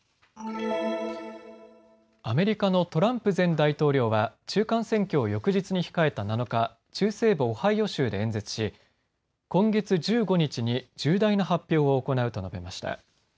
アメリカのトランプ前大統領は中間選挙を翌日に控えた７日、中西部オハイオ州で演説し今月１５日に重大な発表を行うと述べました。